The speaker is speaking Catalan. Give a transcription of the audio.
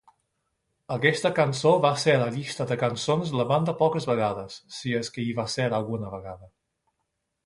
Aquesta cançó va ser a la llista de cançons de la banda poques vegades, si és que hi va ser alguna vegada.